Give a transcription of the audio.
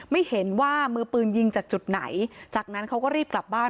ไม่เห็นว่ามือปืนยิงจากจุดไหนจากนั้นเขาก็รีบกลับบ้าน